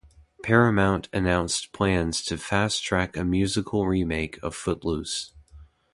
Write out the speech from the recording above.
Paramount announced plans to fast-track a musical remake of "Footloose".